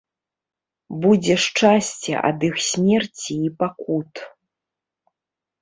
Будзе шчасце ад іх смерці і пакут.